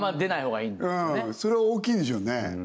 うんそれは大きいんでしょうね